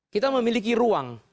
kita memiliki ruang